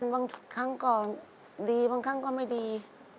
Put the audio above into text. บางครั้งก็ดีบางครั้งก็ไม่ดี